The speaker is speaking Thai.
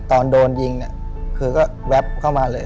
ตอนโดนยิงเนี่ยคือก็แวบเข้ามาเลย